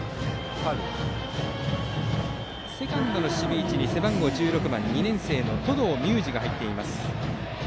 セカンドの守備位置に背番号１６番２年生の登藤海優史が入っています。